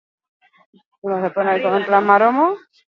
Hirukote britainiarrak estudioko bosgarren lana dakar.